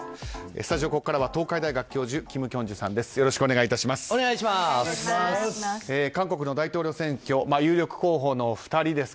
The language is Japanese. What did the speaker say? スタジオ、ここからは東海大学教授、金慶珠さんです。